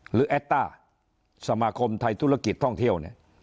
หรือแอตต้าสมาคมไทยธุรกิจท่องเที่ยว